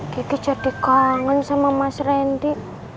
diti jadi kangen sama mas randy